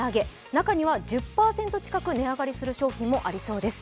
中には１０％近く値上がりする商品もありそうです。